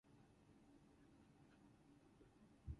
Many references are made to British folklore.